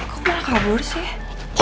kok malah kabur sih